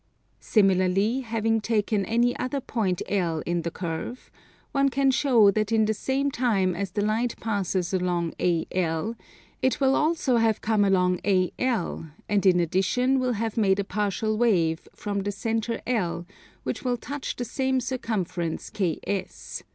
Similarly, having taken any other point L in the curve, one can show that in the same time as the light passes along AL it will also have come along AL and in addition will have made a partial wave, from the centre L, which will touch the same circumference KS.